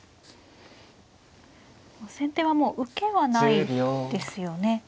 先手はもう受けはないですよね。